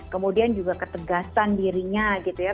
kemudian juga ketegasan dirinya gitu ya